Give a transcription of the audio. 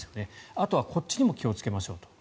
あとはこっちにも気をつけましょう。